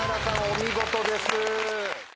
お見事です。